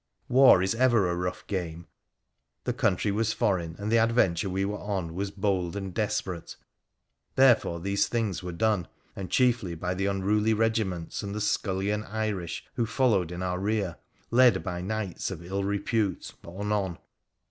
War is ever a rough game, the country was foreign, and the adventure we were on was bold and desperate, therefore these things were done, and chiefly by the unruly regiments, and the scullion Irish who followed in our rear, led by knights of ill repute, or none.